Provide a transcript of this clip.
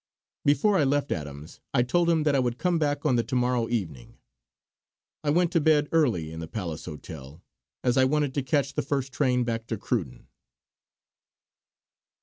Before I left Adams, I told him that I would come back on the to morrow evening. I went to bed early in the Palace hotel, as I wanted to catch the first train back to Cruden.